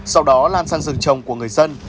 sau đó lan sang rừng trồng của người dân